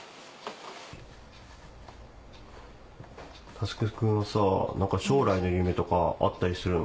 奨君はさぁ将来の夢とかあったりするの？